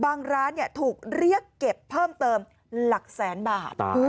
ร้านถูกเรียกเก็บเพิ่มเติมหลักแสนบาท